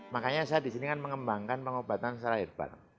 makanya saya di sini kan mengembangkan pengobatan secara herbal